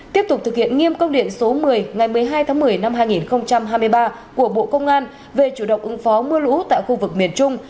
tiếp tục thực hiện nghiêm công điện số một mươi ngày một mươi hai tháng một mươi năm hai nghìn hai mươi ba của bộ công an về chủ động ứng phó mưa lũ tại khu vực miền trung